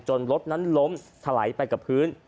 รถนั้นล้มถลายไปกับพื้น